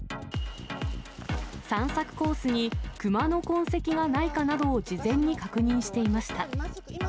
散策コースに、クマの痕跡がないかなどを事前に確認していました。